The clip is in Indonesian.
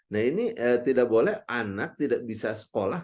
nah ini tidak boleh anak tidak bisa sekolah